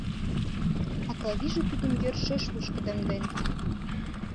А Клавиже тудым йӧршеш лушкыдемден.